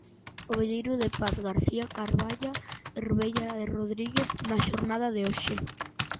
Obelleiro, De Paz, García, Carballa, Hervella e Rodríguez, na xornada de hoxe.